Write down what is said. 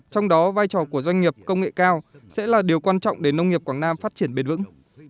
trong đó vai trò của doanh nghiệp công nghệ cao sẽ là điều quan trọng để nông nghiệp quảng nam phát triển bền vững